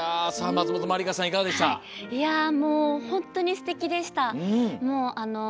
本当にすてきでした。